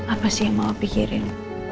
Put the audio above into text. apa sih yang mau pikirin